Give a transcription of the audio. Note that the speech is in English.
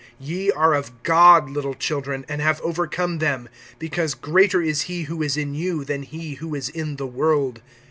(4)Ye are of God, little children, and have overcome them; because greater is he who is in you, than he who is in the world.